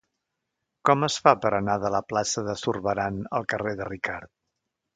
Com es fa per anar de la plaça de Zurbarán al carrer de Ricart?